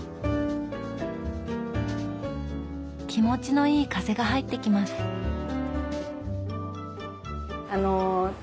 気持ちのいい風が入ってきます。